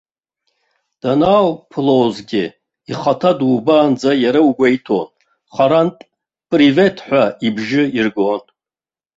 Данаауԥылозгьы ихаҭа дубаанӡа иара угәеиҭон, харантә привет ҳәа ибжьы иргон.